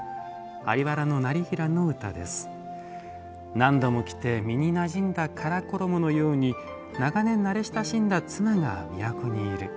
「何度も着て身になじんだ唐衣のように長年慣れ親しんだ妻が都にいる。